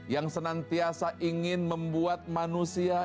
yang senantiasa ingin membuat manusia